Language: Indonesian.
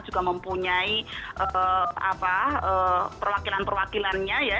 juga mempunyai perwakilan perwakilannya ya